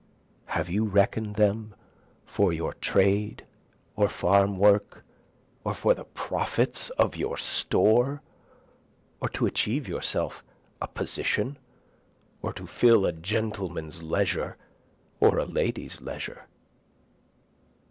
Have you reckon'd them for your trade or farm work? or for the profits of your store? Or to achieve yourself a position? or to fill a gentleman's leisure, or a lady's leisure?